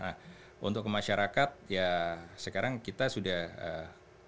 nah untuk masyarakat ya sekarang kita sudah kita tahu bahwa kita harus berusaha untuk mencapai kepentingan